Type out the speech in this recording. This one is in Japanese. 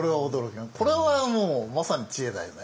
これはもうまさに知恵だよね。